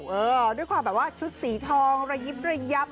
เออด้วยความแบบว่าชุดสีทองระยิบระยับ